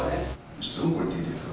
ちょっとうんこ行ってきていいですか？